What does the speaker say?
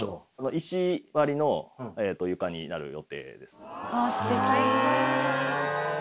石張りの床になる予定です。